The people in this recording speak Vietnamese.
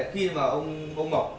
khi mà ông bỏ